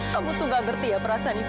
kamu tuh gak ngerti ya perasaan itu